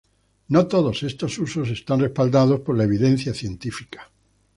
No todos estos usos están respaldados por la evidencia científica.